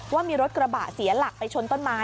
ว่ามีรถกระบะเสียหลักไปชนต้นไม้